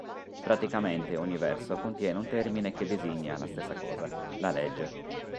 Praticamente ogni verso contiene un termine che designa la stessa cosa: la legge.